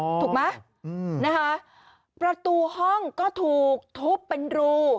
โอ้โฮถูกไหมนะฮะประตูห้องก็ถูกทุบเป็นรู